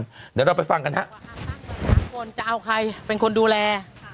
เดี๋ยวเราไปฟังกันฮะทุกคนจะเอาใครเป็นคนดูแล